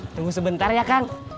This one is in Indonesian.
tunggu sebentar ya kang